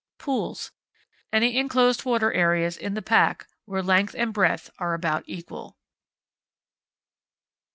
Pools. Any enclosed water areas in the pack, where length and breadth are about equal.